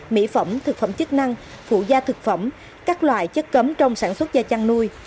mỹ phẩm thực phẩm chức năng phụ gia thực phẩm các loại chất cấm trong sản xuất da chăn nuôi